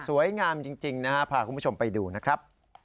สวยงามจริงนะฮะพาคุณผู้ชมไปดูนะครับ